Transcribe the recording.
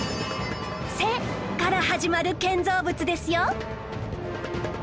「せ」から始まる建造物ですよ